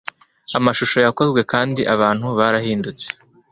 Amashusho yakozwe kandi abantu barahindutse